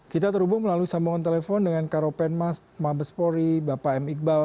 kita terhubung melalui sambungan telepon dengan karopenmas mabespori bapak m iqbal